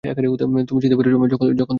তুমি চিনতে পেরেছো যখন তারা চিনতে পারেনি।